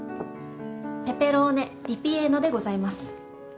ペペローネリピエーノでございます。